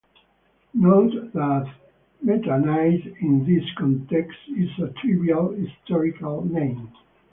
Note that methanide in this context is a trivial historical name.